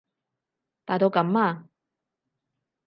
大到噉啊？